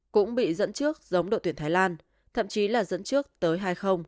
cũng bị dẫn trước giống đội tuyển thái lan thậm chí là dẫn trước tới hai